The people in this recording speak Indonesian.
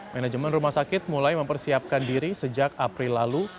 manajemen rumah sakit mulai mempersiapkan diri sejak april lalu